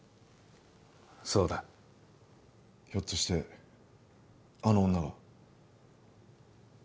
そうだひょっとしてあの女が？